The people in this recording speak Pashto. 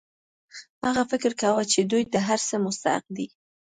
هغه فکر کاوه چې دوی د هر څه مستحق دي